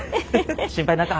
心配なか。